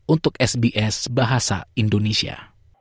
untuk sbs bahasa indonesia